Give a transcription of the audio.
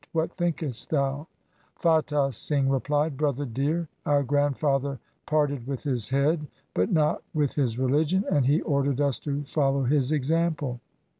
What thinkest thou ?' Fatah Singh replied, ' Brother dear, our grandfather parted with his head but not with his religion, and he ordered us to follow his example.